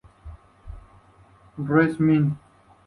Res. Min.